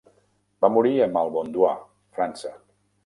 Va morir a Valmondois, França.